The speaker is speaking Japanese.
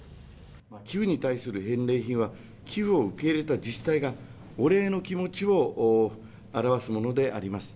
寄付に対する返礼品は、寄付を受け入れた自治体が、お礼の気持ちを表すものであります。